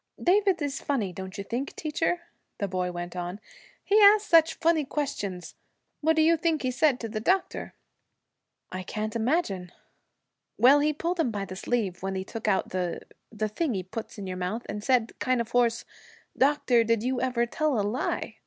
'David is funny, don't you think, teacher?' the boy went on. 'He asks such funny questions. What do you think he said to the doctor?' 'I can't imagine.' 'Well, he pulled him by the sleeve when he took out the the thing he puts in your mouth, and said kind of hoarse, "Doctor, did you ever tell a lie?"